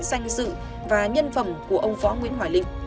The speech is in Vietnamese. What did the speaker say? danh dự và nhân phẩm của ông võ nguyễn hoài linh